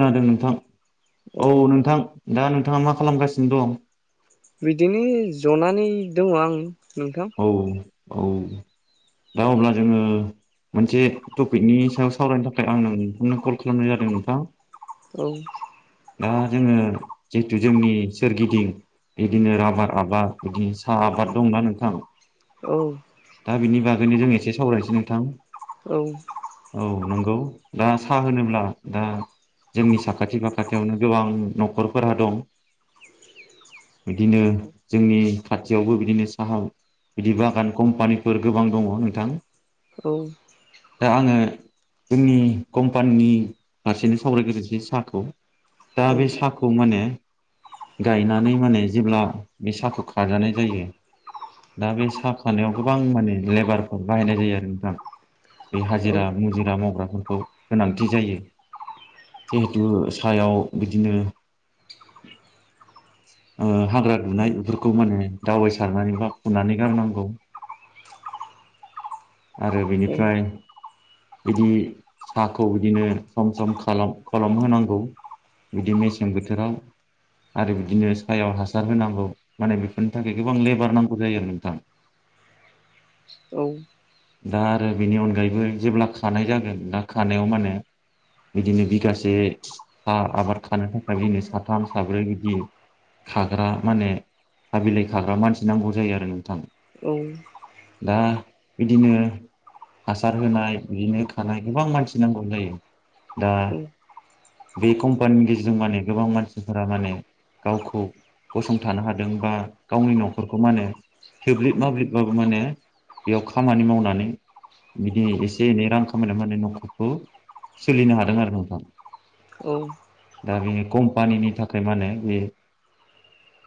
खोनादों नोंथां औ नोंथां दा नोंथाङा मा खालामगासिनो दं? बिदिनो जनानै दङ आं नोंथां। औ औ दा अब्ला जोङो मोनसे टपिकनि सायाव सावरायनो थाखाय आं नोंथांनो कल खालामनाय जादों नोंथां। औ। दा जोङो जिहेथु जोंनि सोरगिदिं बिदिनो राबार आबाद बिदिनो सा आबाद दंना नोंथां। औ। दा बिनि बागैनो जों एसे सावरायनोसै नोंथां। [inaudible] औ। औ नंगौ दा साहा होनोब्ला दा जोंनि साखाथि फाखाथियावनो गोबां न'खरफोरहा दं। बिदिनो जोंनि खाथियावबो बिदिनो साहा बिदि बागान कम्पानिफोर गोबां दङ नोंथां। औ। दा आङो जोंनि कम्पानिनि फारसेनो सावरायग्रोसै साखौ दा औ बे सा खौ माने गायनानै माने जेब्ला बे साहाखौ खाजानाय जायो। दा बे साहा खानायाव गोबां माने लेबारफोर बाहायनाय जायो आरो नोंथां। बे औ हाजिरा मुजिरा मावग्राफोरखौ गोनांथि जायो। जिहेथु सायाव बिदिनो ओ हाग्रा दुनाय बेफोरखौ माने दावबाय सारनानै बा फुनानै गारनांगौ आरो बेनिफ्राय बिदि साहाखौ बिदिनो सम सम खालाम खलम होनांगौ। बिदि मेसें बोथोराव आरो बिदिनो सायाव हासार होनांगौ माने बेफोरनि थाखाय गोबांं लेबार नां गौ जायो आरो नोंथां। औ। दा आरो बेनि अनगायैबो जेब्ला खानाय जागोन दा खानायाव माने बिदिनो बिगासे सा आबाद खानो थाखाय बिदिनो साथाम साब्रै बिदि खाग्रा माने सा बिलाइ खाग्रा मानसि नांगौ जायो आरो नोंथां। औ दा बिदिनो हासार होनाय बिदिनो खानाय गोबां मानसि नांगौ जायो दा बे कम्पानिनि गेजेरजों माने गोबां मानसिफोरा माने गावखौ गसंथानो हादों बा गावनि नखर खौ मा होनो थोब्लिब मोब्लिबबाबो माने बेयाव खामानि मावनानै बिदि एसे एनै रां खामायना मानाय नखरखौ सोलिनो हादों आरो नोंथां। औ दा बेनि कम्पानिनि थाखाय मा होनो बे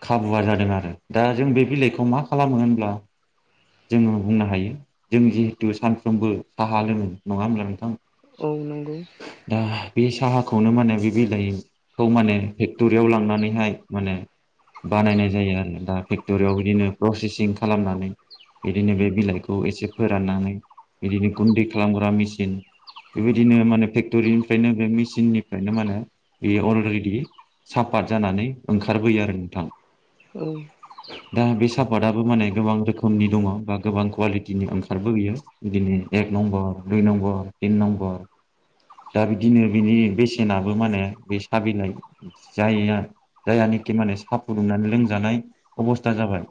खाबुआ जादों आरो दा जों बे बिलाइखौ मा खालामो होनब्ला जोङो बुंनो हायो जों जिहेथु सानफ्रोमबो साहा लोङो नङा होब्ला नोंथां? औ नोंगौ दा बे साहाखौनो माने बे बिलाइ खौ माने फेक्टरियाव लांनानैहाय माहोनो बानायनाय जायो आरो नोंथां पे क्टरियाव बिदिनो प्रसेसिं खालामनानै बिदिनो बे बिलाइखौ एसे फोराननानै बिदिनो गुन्दै खालामग्रा मेसिन बेबायदिनो माने फेक्टरिनिफ्रायनो बे मेसिननिफ्रायनो माने बेयो अलरेडि सापात जानानै ओंखारबोयो आरो नोंथां। औ दा बे सापादाबो माने गोबां रोखोमनि दङ बा गोबां कुवालिटिनि ओंखारबो बेयो। बिदिनो एक नम्बर दुइ नम्बर तिन नम्बर। दा बिदिनो बिनि बेसेनाबो माने बे सा बिलाइ जायया जायानाखि माने साहा फुदुंनानै लोंजानाय अबस्था जाबाय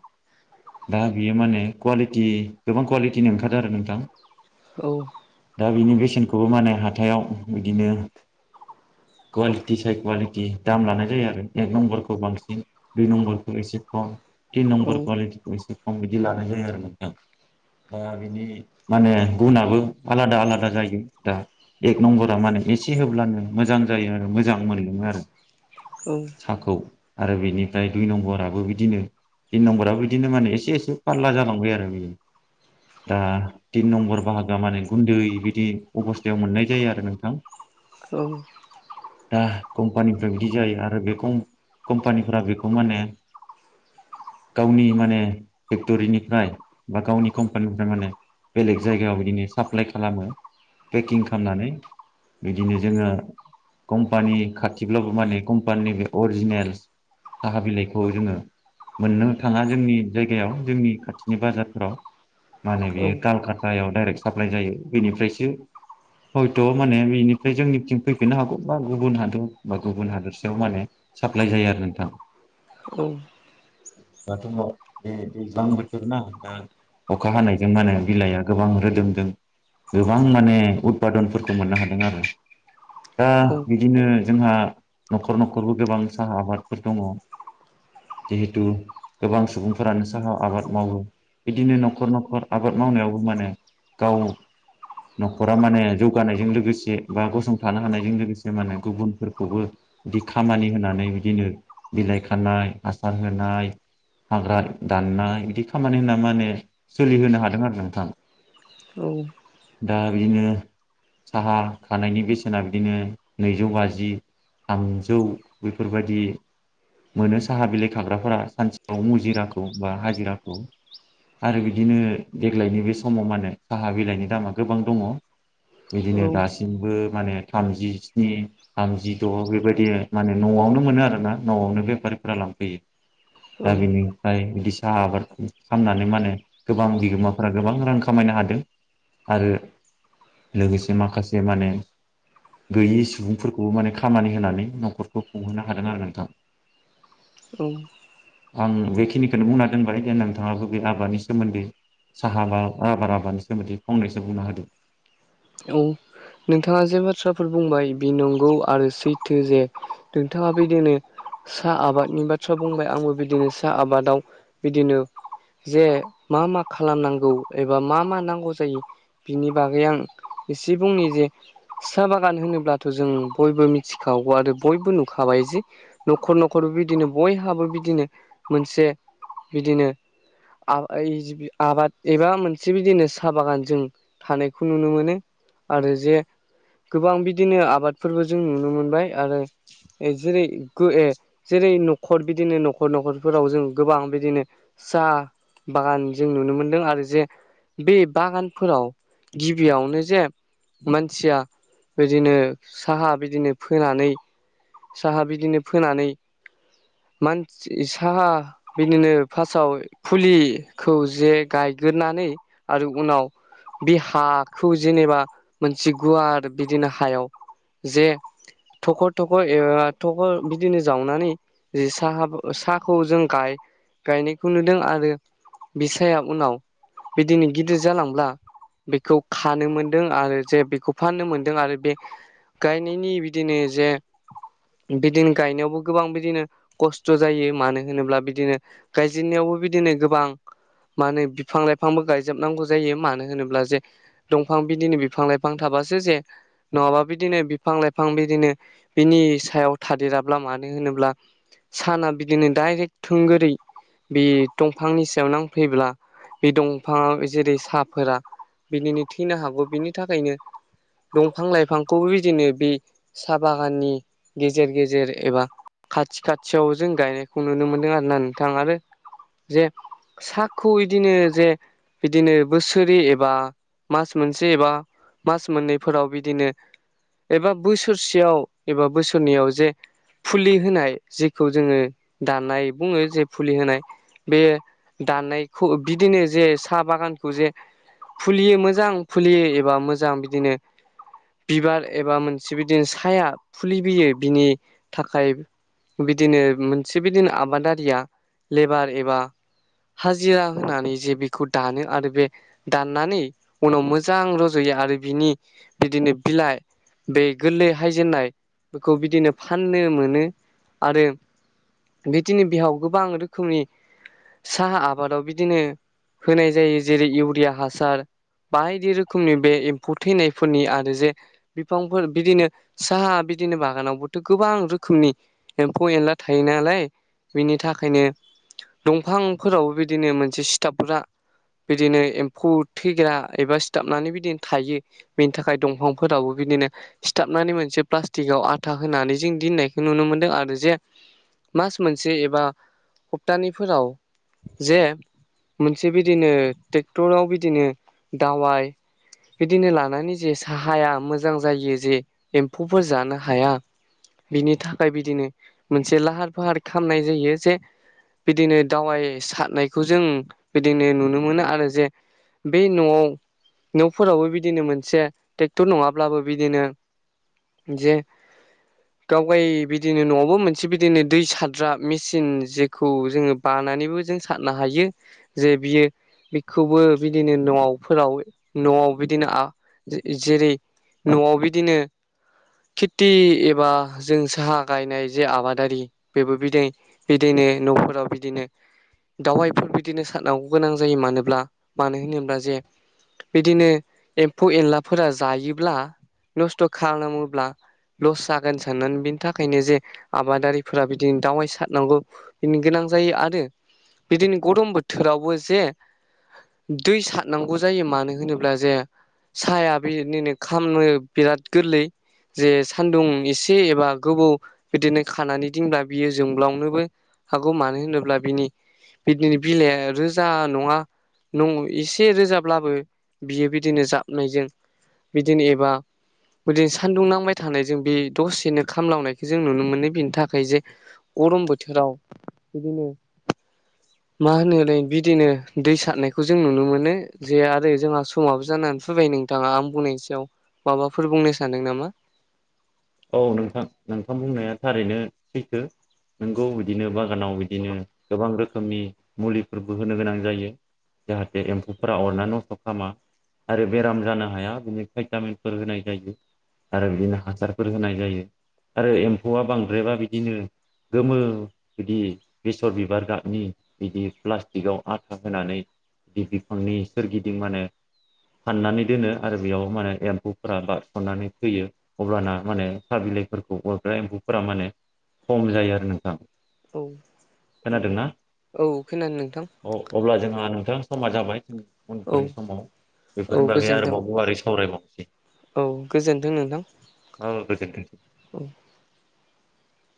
दा बियो माने कुवालिटि गोबां कुवालिटिनो ओंखारो आरो नोंथां। औ दा बिनि बेसेनखौबो माने हाथायाव बिदिनो कुवालिटि साय कुवालिटि दाम लानाय जायो आरो एक नम्बरखौ बांसिन दुइ नम्बरखौ एसे खम थिन औ नम्बर कुवालिटिखौ एसे खम बिदि लानाय जायो आरो नोंथां। दा बिनि माने गुनाबो आलादा आलादा जायो दा एक नम्बरा माने एसे होब्लानो मोजां जायो आरो मोजां मोनलोङो आरो औ साहाखौ आरो बेनिफ्राय दुइ नम्बराबो बि दिनो थिन नम्बाराबो बिदिनो माने एसे एसे फारला जालांबाय आरो दा तिन नम्बर बाहागोया माने गुन्दै बिदि अबस्थायाव मोननाय जायो आरो नोंथां। औ दा कम्पानिफ्रा बिदि जायो आरो बेखौ कम्पानिफ्रा बेखौ मानो गावनि माने फेक्टरिनिफ्राय बा गावनि कम्पानिनिफ्राय माने बेलेग जायगायाव बिदिनो साप्लाय खालामो पेकिं खालामनानै बिदिनो जोङो कम्पानि खाथिब्लाबो माने कम्पानिनि बे अरजिनेल साहा बिलाइखौ जोङो मोननो थाङा जोंनि जायगायाव जोंनि खाथिनि बाजारफ्राव मा होनो औ बेयो कालकातायाव डायरेक्ट साप्लाय जायो बेनिफ्रायसो हयथ माने बेनिफ्राय जोंनिथिं फैफिननो हागौ बा गुबुन हादर बा गुबुन हादोरसायाव माहोनो साप्लाय जायो आरो नोंथां। औ दाथ' न' बे दैज्लां बोथोर ना दा अखा हानायजों मा होनो बिलाइआ गोबां रोदोमदों गोबां माने उदपादनफोरखौ मोननो हादों आरो दा बिदिनो जोंहा न'खर न'खरबो गोबां साहा आबादफोर दङ। जिहेथु गोबां सुबुंफोरानो साहा आबाद मावो। बिदिनो न'खर न'खर आबाद मावनायावबो माने गाव न'खरा माने जौगानायजों लोगोसे बा गसंथानो हानायजों लोगोसे। माने गुबुनफोरखौबो बिदि खामानि होनानै। बिदिनो बिलाइ खानाय, हासार होनाय हाग्रा दाननाय। बिदि खामानि होनना माने सोलिहोनो हादों आरो नोंथां। औ। दा बिदिनो साहा खानायनि बेसेना बिदिनो नैजौ बाजि थामजौ। बेफोरबायदि मोनो स साहा बिलाइ खाग्राफोरा सानसेयाव मुजिराखौ बा हाजिराखौ आरो बिदिनो देग्लायनि बे समाव माने साहा बिलाइनि दामा गोबां दङ। बिदिनो दासिमबो माने थामजिस्नि थामजि द' बेबायदि माने न'आवनो मोनो आरोना न'आवनो बेफारिफोरा लांफैयो। औ दा बेनिफ्राय बिदि साह आबाद खालामनानै माने गोबां बिगोमाफोरा गोबां रां खामायनो हादों आरो लोगोसे माखासे माने गैयि सुबुंफोरखौबो माने खामानि होनानै न'खरखौ खुंहोनो हादों आरो नोंथां। औ। आं बेखिनिखौनो बुंना दोनबाय जे नोंथाङाबो बे आबादनि सोमोन्दै साहा बा आबाद आबादनि सोमोन्दै फंनैसो बुंना होदो। औ। नोंथाङा जे बाथ्राफोर बुंबाय बि नंगौ आरो सैथो जे नोंथाङा बेदिनो साहा आबादनि बाथ्रा बुंबाय। आंबो बिदिनो साहा आबादाव बिदिनो जे मा मा खालामनांगौ एबा मा मा नांगौ जायो। बिनि बागै आं एसे बुंनि जे साहा बागान होनोब्लाथ' जों बयबो मिथिखागौ आरो बयबो नुखाबाय जे न'खर न'खरबो बिदिनो बयहाबो बिदिनो मोनसे बिदिनो आबाद एबा मोनसे बिदिनो साहा बागान जों थानायखौ नुनो मोनो। आरो जे गोबां बिदिनो आबादफोरबो जों नुनो मोनबाय आरो जेरै जेरै न'खर बिदिनो न'खर न'खरफोराव जों गोबां बिदिनो साहा बागान जों नुनो मोनदों। आरो जे बे बागानफोराव गिबियावनो जे मानसिया बिदिनो साहा बिदिनो फोनानै साहा बिदिनो फोनानै मानसि साहा बिदिनो फार्स्टआव फुलिखौ जे गायग्रोनानै आरो उनाव बे हाखौ जेनेबा मोनसे गुवार बिदिनो हायाव जे थखर थख' एबा थख' बिदिनो जावनानै जि साहा साहाखौ जों गायनायखौ नुदों आरो बि साया उनाव बिदिनो गिदिर जालांब्ला बेखौ खानो मोन्दों आरो जे बेखौ फाननो मोनदों आरो बे गायनायनि बिदिनो जे बिदिनो गायनायावबो गोबां बिदिनो खस्थ' जायो। मानो होनोब्ला बिदिनो गायजेननायावबो बिदिनो गोबां मा होनो बिफां लाइफांबो गायजोबनांगौ जायो। मानो होनोब्ला जे दंफां बिदिनो बिफां लाइफां थाबासो जे नङाबा बिदिनो बिफां लाइफां बिदिनो बिनि सायाव थादेराब्ला मानो होनोब्ला साना बिदिनो डाइरेक्ट थोंगोरै बे दंफांनि सायावनो आं फैब्ला बे दंफाङाव जेरै साहाफोरा बिदिनो थैनो हागौ। बिनि थाखायनो दंफां लाइफांखौबो बिदिनो बे साहा बागाननि गेजेर गेजेर एबा खाथि खाथि खाथियाव जों गायनायखौ नुनो मोनदों आरो ना नोंथां आरो जे साखौ इदिनो जे बिदिनो बोसोरै एबा मास मोनसे एबा मास मोननैफोराव बिदिनो एबा बोसोरसेयाव एबा बोसोरनैयाव जे फुलि होनाय जेखौ जोङो दानाय बुङो जे फुलि होनाय बे दाननायखौ बिदिनो जे साहा बागानखौ जे फुलियो मोजां फुलियो एबा मोजां बिदिनो बिबार एबा मोनसे बिदिनो साया फुलिबोयो बिनि थाखाय बिदिनो मोनसे बिदिनो आबादारिया लेबार एबा हाजिरा होनानै जे बेखौ दानो आरो बे दाननानै उनाव मोजां रज'यो आरो बिनि बिदिनो बिलाइ बे गोरलै हायजेननाय बेखौ बिदिनो फाननो मोनो। आरो बेदिनि बिहाव गोबां रोखोमै साहा आबादाव बिदिनो होनाय जायो जेरै इउरिया हासार बायदि रोखोमनि बे एम्फौ थैनायफोरनि आरो जे बिफांफोर बिदिनो साहा बिदिनो बागानावबोथ' गोबां रोखोमनि एम्फौ एनला थायो नालाय बिनि थाखायनो दंफांफोराव बिदिनो मोनसे सिथाबग्रा बिदिनो एम्फौ थैग्रा एबा सिथाबनानै बिदिनो थायो। बेनि थाखाय दंफांफोरावबो बिदिनो सिथाबनानै मोनसे प्लास्टिकआव आथा होनानै जों दोननाय जों नुनो मोनदों आरो जे मास मोनसे एबा हप्तानैफोराव जे मोनसे बिदिनो ट्रेक्टराव बिदिनो दावाइ बिदिनो लानानै जे साहाया मोजां जायो जे एम्फौफोर जानो हाया। बिनि थाखाय बिदिनो मोनसे लाहार फाहार खालामनाय जायो जे बिदिनो दावाइ सारनायखौ जों बिदिनो नुनो मोनो आरो जे बे न'आव न'फोरावबो बिदिनो मोनसे ट्रेक्टर नङाब्लाबो बिदिनो जे यै बिदिनो न'आवबो मोनसे बिदिनो दै सार द्रा मेसिन जेखौ जोङो बानानैबो जों सारनो हायो। जे बियो बेखौबो बि बिदिनो न'फोराव न'आव बिदिनो आ जेरै न'आव बिदिनो खिथि एबा जों साहा गायनाय जे आबादारि बेबो बिदि बिदिनो न'फोराव बिदिनो दावायफोर बिदिनो सारनांगौ गोनां जायो मानोब्ला मानो होनोब्ला जे बिदिनो एम्फौ एनलाफोरा जायोब्ला नस्थ' खालामोब्ला लस जागोन साननानै बिनि थाखायनो जे आबादारिफोरा बिदिनो दावाइ सारनांगौ बिनो गोनां जायो आरो बिदिनो गरम बोथोरावबो जे दै सारनांगौ जायो मानो होनोब्ला जे साहाया बेदिनो खामनो बिराद गोरलै जे सान्दुं एसे एसे एबा गोबौ बिदिनो खानानै दिंब्ला बियो जोंब्लावनोबो हागौ मानो होनोब्ला बिनि बिदिनो बिलाइआ रोजा नङा नं एसे रोजाब्लाबो बियो बिदिनो जाबनायजों बिदिनो एबा बिदिनो सानदुं नांबाय थानाय जों बे दसेनो खामलांनायखौ जों नुनो मोनो बेनि थाखाय जे गरम बोथोराव बिदिनो मा होनोलाय बिदिनो दै सारनायखौ जों नुनो मोनो। जे आरो जोंहा समाबो जानानै फैबाय नोंथाङा आं बुंनायनि सायाव माबाफोर बुंनो सानदों नामा? औ नोंथां नोंथां बुंनाया थारैनो सैथो नोंगौ बिदिनो बागानाव बिदिनो गोबां रोखोमनि मुलिफोरबो होनो गोनां जायो। जाहाथे एम्फौफोरा अरनानै नस्थ' खामा। आरो बेराम जानो हाया बिनि भिटामिनफोर होनाय जायो आरो बिदिनो हासार फोर होनाय जायो आरो एम्फौआ बांद्रायबा बिदिनो गोमो बिदि बेसर बिबार गाबनि बिदि प्लास्टिकआव आथा होनानै बि बिफांनि सोरगिदिं माने फाननानै दोनो आरो बेयाव माने एम्फौफोरा बारस'नानै थैयो अब्लाना माने सा बिलाइफोरखौ अरग्रा एम्फौफोरा माने खम जायो आरो नोंथां। औ नंगौ औ खोनादों नोंथां अ-अब्ला जोंहा नोंथां समा जाबाय औ उनफोरनि समाव औ बेफोरनि बागै गोजोन्थों आरोबाव गुवारै सावरायबावनोसै। औ गोजोन्थों नोंथां औ गोजोन्थों